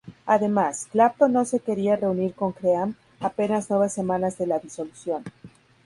Además, Clapton no se quería reunir con Cream apenas nueve semanas de la disolución.